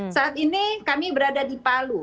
saat ini kami berada di palu